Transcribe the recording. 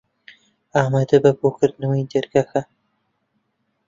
ئامادە بە بۆ کردنەوەی دەرگاکان.